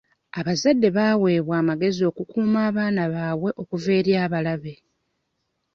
Abazadde baweebwa amagezi okukuuma abaana baabwe okuva eri abalabe.